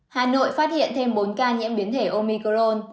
hà nội phát hiện thêm bốn ca nhiễm biến thể omicron